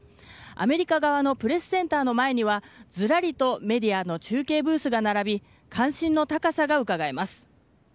アメリカ側のプレスセンターの前にはずらりとメディアの中継ブースが並び関心の高さがうかがえます。